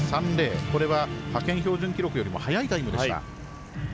これは派遣標準記録よりも早いタイムでした。